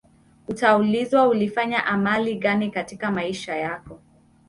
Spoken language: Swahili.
utaulizwa ulifanya amali gani katika maisha yako